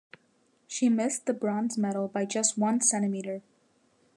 She missed the bronze medal by just one centimetre.